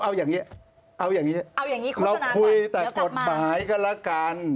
เอาอย่างนี้โฆษณาก่อนเดี๋ยวกลับมาเราคุยแต่กฎหมายก็ละกัน